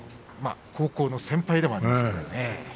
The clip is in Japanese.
高校の先輩でもあります。